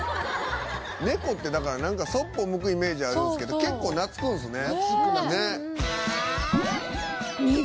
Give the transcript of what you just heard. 猫ってだからなんかそっぽ向くイメージあるんですけど結構懐くんですね。